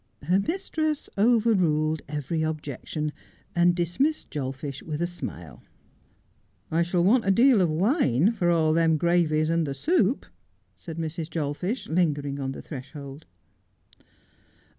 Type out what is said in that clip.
Her mistress over ruled every objection, and dismissed Jolfish with a smile. ' I shall want a deal of wine for all them gravies and the soup,' s*aid Mrs. Jolfish, lingering on the threshold.